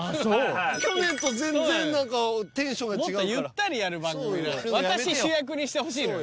去年と全然何かテンションが違うからもっとゆったりやる番組私主役にしてほしいのよ